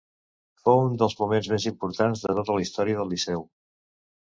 Fou un dels moments més importants de tota la història del Liceu.